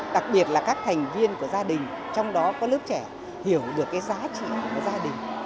đặc biệt là các thành viên của gia đình trong đó có lớp trẻ hiểu được cái giá trị của gia đình